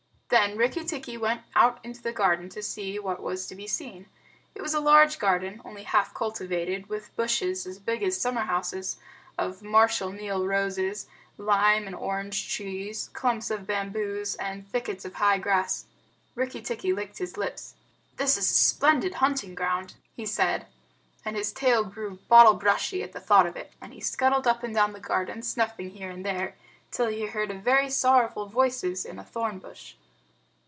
Then Rikki tikki went out into the garden to see what was to be seen. It was a large garden, only half cultivated, with bushes, as big as summer houses, of Marshal Niel roses, lime and orange trees, clumps of bamboos, and thickets of high grass. Rikki tikki licked his lips. "This is a splendid hunting ground," he said, and his tail grew bottle brushy at the thought of it, and he scuttled up and down the garden, snuffing here and there till he heard very sorrowful voices in a thorn bush.